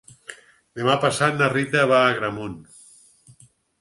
Demà passat na Rita va a Agramunt.